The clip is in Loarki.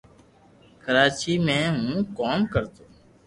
ڪراچي مي ھون ڪوم ڪرتو